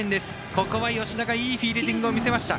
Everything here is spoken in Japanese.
ここは吉田がいいフィールディングを見せました。